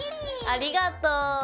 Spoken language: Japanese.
ありがとう。